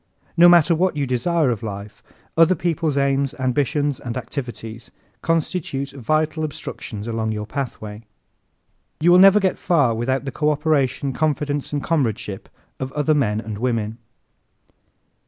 No matter what you desire of life, other people's aims, ambitions and activities constitute vital obstructions along your pathway. You will never get far without the co operation, confidence and comradeship of other men and women.